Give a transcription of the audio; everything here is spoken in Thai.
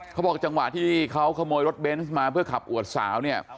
เขาบอกจังหวะที่เขาขโมยรถเบนส์มาเพื่อขับอวดสาวเนี่ย